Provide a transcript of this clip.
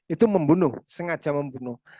itu membunuh sengaja membunuh